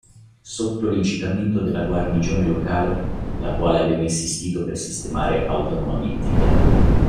Sotto l'incitamento della guarnigione locale, la quale aveva insistito per sistemare autonomamente i danni.